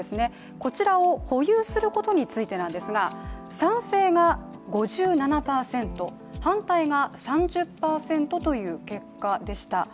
こちらを保有することについてなんですが賛成が５７％、反対が３０％という結果でした。